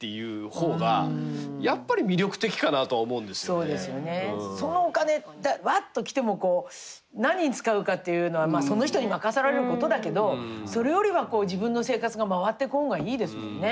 そうじゃなくてそのお金わっと来ても何に使うかっていうのはその人に任せられることだけどそれよりは自分の生活が回っていく方がいいですもんね。